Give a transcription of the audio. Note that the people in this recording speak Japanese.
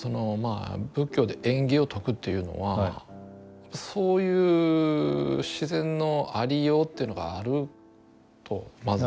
あ仏教で縁起を説くというのはそういう自然のありようというのがあるとまず。